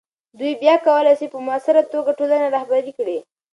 دوی بیا کولی سي په مؤثره توګه ټولنه رهبري کړي.